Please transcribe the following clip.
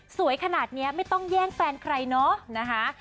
สวยขนาดนี้ไม่ต้องแย่งแฟนใครเนาะนะคะ